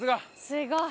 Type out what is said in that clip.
すごい！